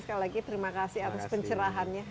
sekali lagi terima kasih atas pencerahannya